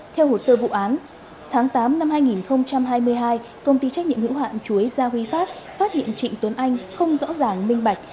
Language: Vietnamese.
theo hồ sơ vụ án tháng tám năm hai nghìn hai mươi hai công ty trách nhiệm hữu hạn chuối gia huy phát phát hiện trịnh tuấn anh không rõ ràng minh bạch